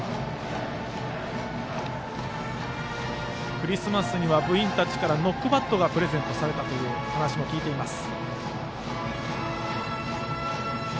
クリスマスには部員たちからノックバットがプレゼントされたという話も聞いています。